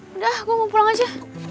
udah aku mau pulang aja